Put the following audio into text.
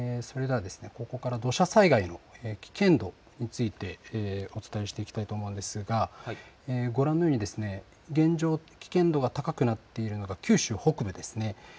土砂災害の危険度についてお伝えしていきたいと思うんですがご覧のように現状、危険度が高くなっているのが九州北部ですね。